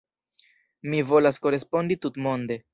Mi volas korespondi tutmonde.